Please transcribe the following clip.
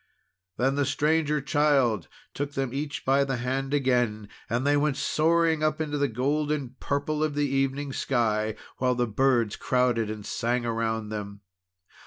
Then the Stranger Child took them each by the hand again, and they went soaring up into the golden purple of the evening sky, while the birds crowded and sang around them.